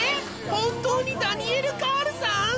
本当にダニエル・カールさん